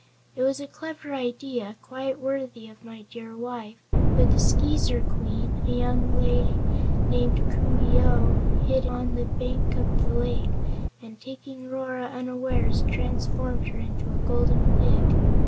It was a clever idea, quite worthy of my dear wife, but the Skeezer Queen a young lady named Coo ee oh hid on the bank of the lake and taking Rora unawares, transformed her into a Golden Pig.